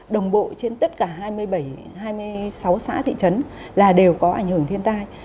đồng bộ trên tất cả hai mươi bảy hai mươi sáu xã thị trấn là đều có ảnh hưởng thiên tai